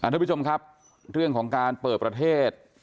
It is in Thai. ทุกผู้ชมครับเรื่องของการเปิดประเทศ